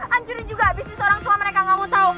ancurin juga abis ini seorang suami mereka gak mau tau